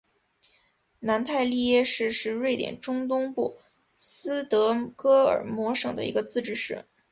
南泰利耶市是瑞典中东部斯德哥尔摩省的一个自治市。